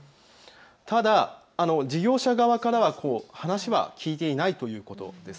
ただ事業者側からは話は聞いていないということです。